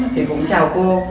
thì cũng chào cô